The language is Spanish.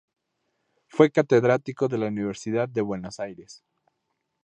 Fue catedrático de la Universidad de Buenos Aires.